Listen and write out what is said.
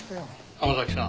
浜崎さん。